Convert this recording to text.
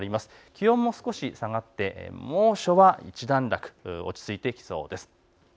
気温も少し下がって猛暑は一段落、落ち着いてきそうです。